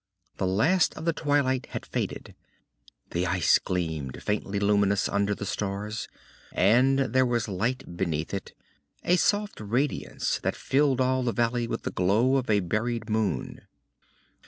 The last of the twilight had faded. The ice gleamed, faintly luminous under the stars, and there was light beneath it, a soft radiance that filled all the valley with the glow of a buried moon.